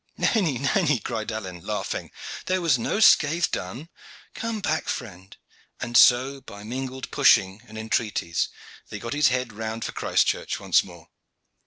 "Nenny, nenny!" cried Alleyne, laughing. "There was no scath done. Come back, friend" and so, by mingled pushing and entreaties, they got his head round for Christchurch once more.